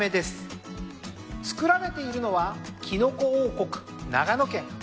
作られているのはキノコ王国長野県。